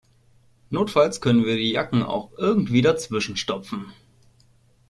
Notfalls können wir die Jacken auch irgendwie dazwischen stopfen.